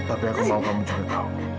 aku mau kamu juga tahu